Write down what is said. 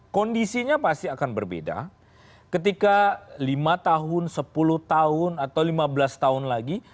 kondisinya pasti akan berbeda ketika lima tahun sepuluh tahun atau lima belas tahun lagi